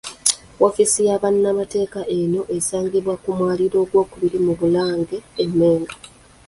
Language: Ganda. Woofiisi ya bannamateeka eno esangibwa ku mwaliro ogwokubiri mu Bulange e Mmengo.